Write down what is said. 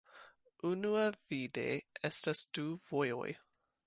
Unuavide estas du vojoj.